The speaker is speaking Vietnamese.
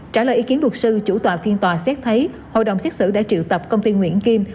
trả lời ý kiến luật sư chủ tòa phiên tòa xét thấy hội đồng xét xử đã triệu tập công ty nguyễn kim